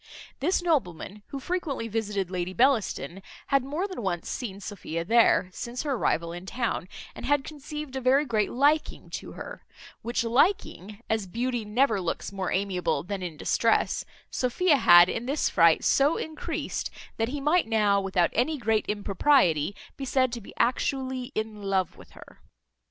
This nobleman, who frequently visited Lady Bellaston, had more than once seen Sophia there, since her arrival in town, and had conceived a very great liking to her; which liking, as beauty never looks more amiable than in distress, Sophia had in this fright so encreased, that he might now, without any great impropriety, be said to be actually in love with her.